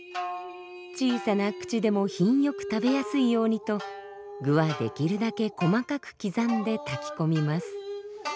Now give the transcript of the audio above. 小さな口でも品よく食べやすいようにと具はできるだけ細かく刻んで炊き込みます。